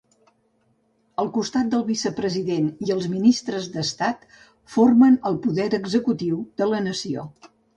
Al costat del Vicepresident i els ministres d'Estat formen el Poder Executiu de la nació.